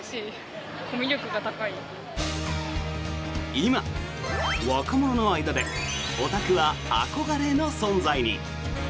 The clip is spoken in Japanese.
今、若者の間でオタクは憧れの存在に。